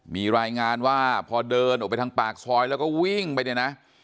มีรายงานว่าพอเดินออกไปทางปากซอยแล้วก็วิ่งไปเนี่ยนะ